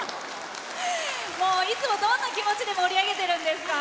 いつもどんな気持ちで盛り上げてるんですか？